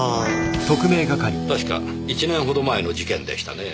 たしか１年ほど前の事件でしたねぇ。